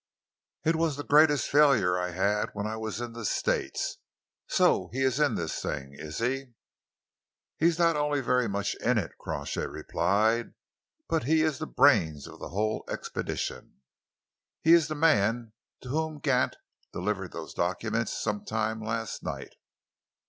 It was the greatest failure I had when I was in the States. So he is in this thing, is he?" "He is not only very much in it," Crawshay replied, "but he is the brains of the whole expedition. He is the man to whom Gant delivered those documents some time last night."